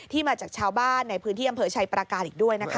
มาจากชาวบ้านในพื้นที่อำเภอชัยประการอีกด้วยนะคะ